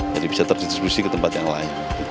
jadi bisa terdistribusi ke tempat yang lain